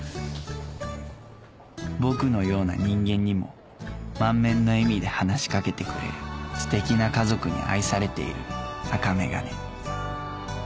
僕のような人間にも満面の笑みで話し掛けてくれるステキな家族に愛されている赤眼鏡